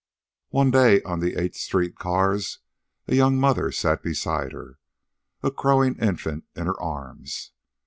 One day, on the Eighth street cars, a young mother sat beside her, a crowing infant in her arms.